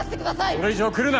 それ以上来るな！